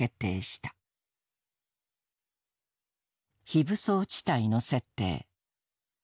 「非武装地帯の設定」。